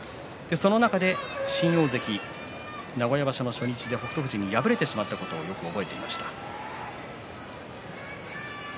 その中で新大関名古屋場所の初日で北勝富士に敗れてしまったことをよく覚えていました。